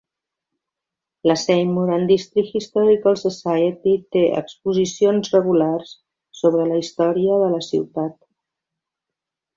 La "Seymour and District Historical Society" té exposicions regulars sobre la història de la ciutat.